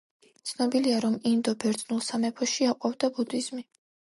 ცნობილია, რომ ინდო–ბერძნულ სამეფოში აყვავდა ბუდიზმი.